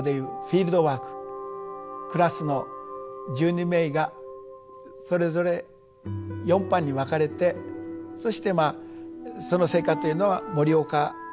クラスの１２名がそれぞれ４班に分かれてそしてまあその成果というのは盛岡付近の地質図ということで。